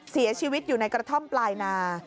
เสียชีวิตอยู่ในกระท่อมปลายนา